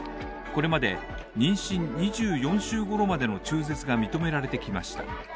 これまで妊娠２４週ごろまでの中絶が認められてきました。